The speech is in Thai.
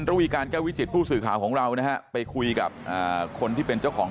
ระวีการแก้ววิจิตผู้สื่อข่าวของเรานะฮะไปคุยกับคนที่เป็นเจ้าของ